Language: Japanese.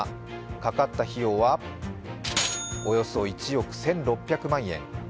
かかった費用は、およそ１億１６００万円。